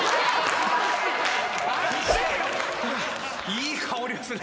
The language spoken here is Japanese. いい香りがする。